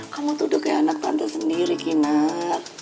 kamu tuh udah kayak anak tante sendiri kinar